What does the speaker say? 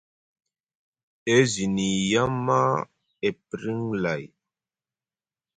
E zini yama, e priŋ lay.